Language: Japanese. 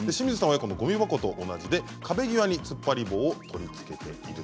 親子のごみ箱と同じで壁際につっぱり棒を取り付けている。